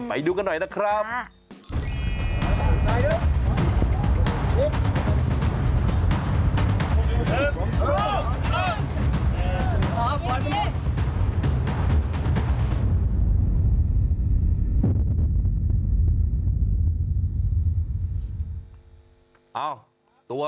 ไปดูกันหน่อยนะครับครับอย่า่ะสน่าสลายด้วย